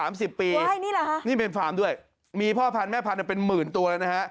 สิบปีใช่นี่เหรอฮะนี่เป็นฟาร์มด้วยมีพ่อพันธุแม่พันธุ์เป็นหมื่นตัวแล้วนะฮะ